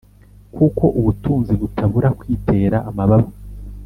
kuko ubutunzi butabura kwitera amababa